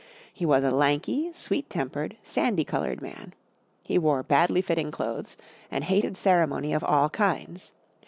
He was a lanky, sweet tempered, sandy coloured man. He wore badly fitting clothes, and hated ceremony of all kinds.